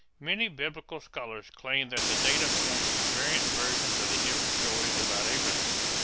Many Biblical scholars claim that the data point to variant versions of the different stories about Abraham.